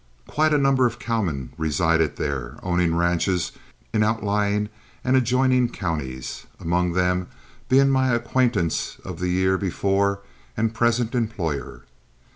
Quite a number of cowmen resided there, owning ranches in outlying and adjoining counties, among them being my acquaintance of the year before and present employer.